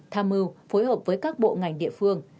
tham mưu phối hợp với các bộ ngành địa phương